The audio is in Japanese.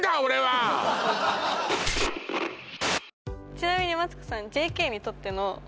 ちなみにマツコさん